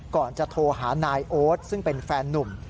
ก่อนจะโทรหานายโอ๊ตซึ่งเป็นแฟนนุ่ม